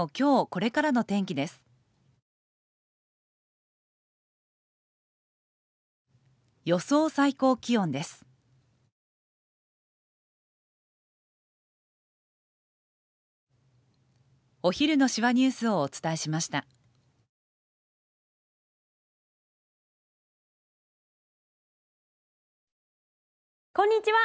こんにちは。